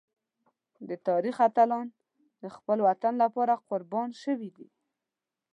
د تاریخ اتلان د خپل وطن لپاره قربان شوي دي.